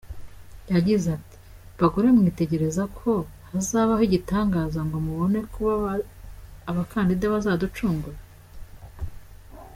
Yagize ati “Bagore mwitegereza ko hazabaho igitangaza ngo mubone kuba abakandida bazaducungura.